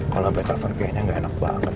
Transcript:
kalo ambil telepon kayaknya gak enak banget